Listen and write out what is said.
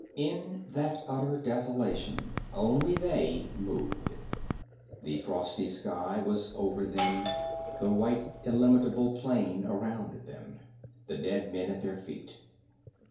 In that utter desolation only they moved. The frosty sky was over them, the white illimitable plain around them, the dead men at their feet.